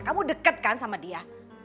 kamu deket kan sama dia